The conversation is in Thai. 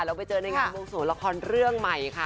เราไปเจอในงานวงสวงละครเรื่องใหม่ค่ะ